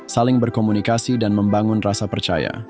saling berkomunikasi dan membangun rasa percaya